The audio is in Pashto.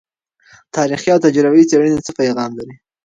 تاریخي او تجربوي څیړنې څه پیغام لري؟